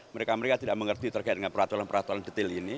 mereka mereka tidak mengerti terkait dengan peraturan peraturan detail ini